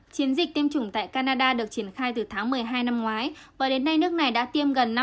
chiến dịch tiêm chủng tại canada được triển khai từ tháng một mươi hai năm ngoái và đến nay nước này đã tiêm gần